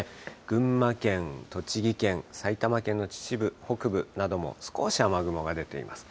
群馬県、栃木県、埼玉県の秩父、北部なども少し雨雲が出ています。